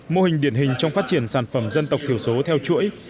mô hình điển hình trong phát triển sản phẩm dân tộc thiểu số theo chuỗi